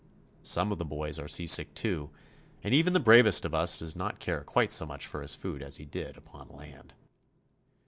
Some of the boys are sea sick too, and even the bravest of us does not care quite so much for his food as he did upon land.